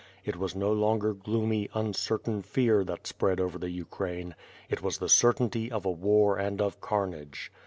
It was no longer gloomy, uncer tain fear, that spread over the Ukraine; it was the certainty of a war and of carnage.